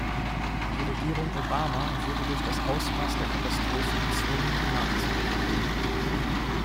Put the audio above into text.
Die Regierung Obama wurde durch das Ausmaß der Katastrophe gezwungen, nachzugeben.